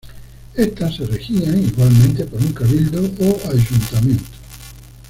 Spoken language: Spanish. Éstas se regían igualmente por un cabildo o ayuntamiento.